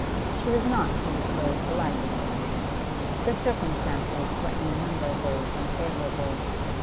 She was not predisposed to like Adela. The circumstances were in a number of ways unfavourable.